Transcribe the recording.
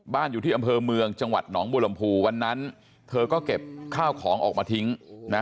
อยู่ที่อำเภอเมืองจังหวัดหนองบุรมภูวันนั้นเธอก็เก็บข้าวของออกมาทิ้งนะ